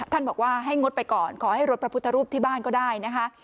บอกว่าให้งดไปก่อนขอให้รถพระพุทธรูปที่บ้านก็ได้นะคะ